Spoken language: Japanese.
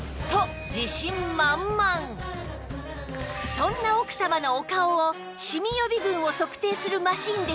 そんな奥様のお顔をシミ予備軍を測定するマシンでチェック